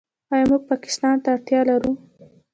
آیا موږ پاکستان ته اړتیا لرو؟